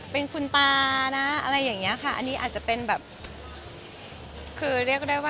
เป็นขุนป่านะอะไรแบบนี้ค่ะ